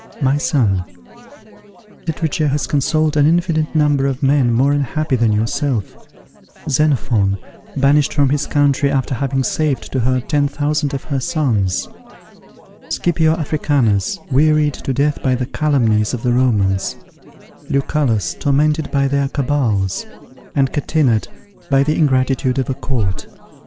My son, literature has consoled an infinite number of men more unhappy than yourself: Xenophon, banished from his country after having saved to her ten thousand of her sons; Scipio Africanus, wearied to death by the calumnies of the Romans; Lucullus, tormented by their cabals; and Catinat, by the ingratitude of a court.